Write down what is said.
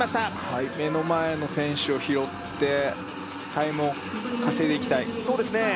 はい目の前の選手を拾ってタイムを稼いでいきたいそうですね